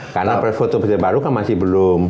karena foto presiden baru kan masih belum